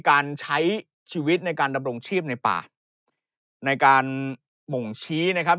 การใช้ชีวิตในการดำรงชีพในป่าในการบ่งชี้นะครับ